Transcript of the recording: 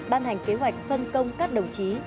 ban hành kế hoạch phân công các đồng chí